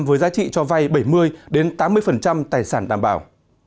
với giá trị cho vay bảy mươi tám mươi tài sản đảm bảo